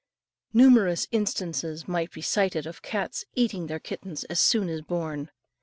Numerous instances might be cited of cats eating their kittens as soon as born.